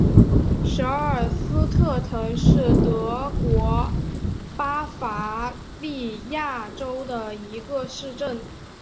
舍尔斯特滕是德国巴伐利亚州的一个市镇。